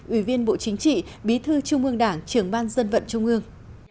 ủy viên bộ chính trị bí thư trung ương đảng trưởng ban dân vận trung ương